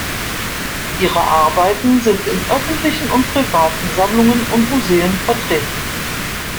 Ihre Arbeiten sind in öffentlichen und privaten Sammlungen und Museen vertreten.